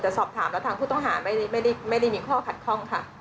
แต่สอบถามแล้วทางผู้ต้องหาไม่ได้มีข้อขัดข้องค่ะ